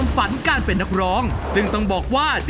ช่วยฝังดินหรือกว่า